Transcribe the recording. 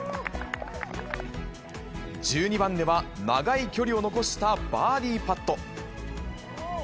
１２番では、長い距離を残したバーディーパット。